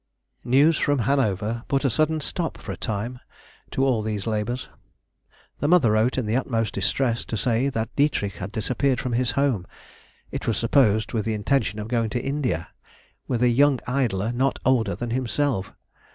News from Hanover put a sudden stop for a time to all these labours. The mother wrote, in the utmost distress, to say that Dietrich had disappeared from his home, it was supposed with the intention of going to India "with a young idler not older than himself."